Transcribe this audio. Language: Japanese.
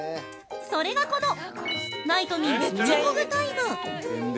それがこのナイトミン耳ほぐタイム。